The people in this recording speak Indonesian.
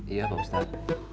iya pak ustadz